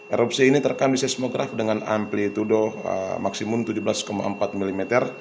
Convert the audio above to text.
erupsi ini terekam di seismograf dengan amplitude maksimum tujuh belas empat mm